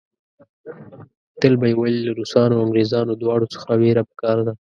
تل به یې ویل له روسانو او انګریزانو دواړو څخه وېره په کار ده.